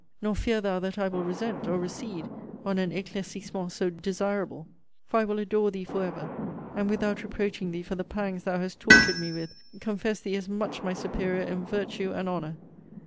Nor fear thou that I will resent, or recede, on an ecclaircissement so desirable; for I will adore thee for ever, and without reproaching thee for the pangs thou hast tortured me with, confess thee as much my superior in virtue and honour!